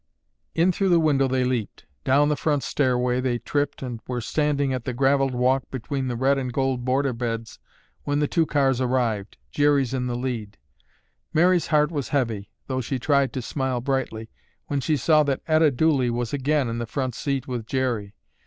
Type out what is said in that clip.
In through the window they leaped, down the front stairway they tripped and were standing in the graveled walk between the red and gold border beds when the two cars arrived, Jerry's in the lead. Mary's heart was heavy, though she tried to smile brightly, when she saw that Etta Dooley was again on the front seat with Jerry.